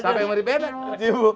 siapa yang mirip bebek